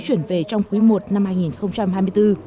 chuyển về trong quý i năm hai nghìn hai mươi bốn